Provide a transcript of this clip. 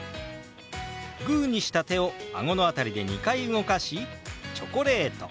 グーにした手をあごの辺りで２回動かし「チョコレート」。